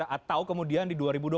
atau kemudian di dua ribu dua puluh